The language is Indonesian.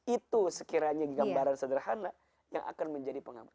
itu sekiranya gambaran sederhana yang akan menjadi pengamat